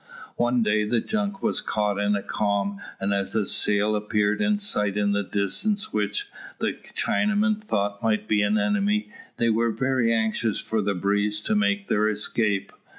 One day the junk was caught in a calm, and as a sail appeared in sight in the distance which the Chinamen thought might be an enemy, they were very anxious for a breeze to make their escape.